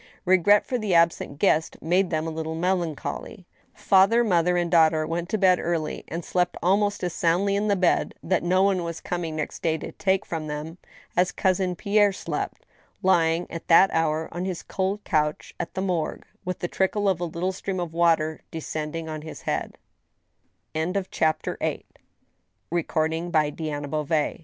Regret for the absent guest made them a little melancholy. Father, mother, and daughter went to bed early, and slept almost as soundly in the bed, that no one was coming next day to take from under them, as Cousin Pierre slept, lying at that hour on his cold couch at the Morgue, with the trickle of a little stream of water de sce